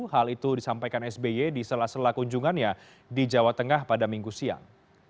hal itu disampaikan sby di sela sela kunjungannya di jawa tengah pada minggu siang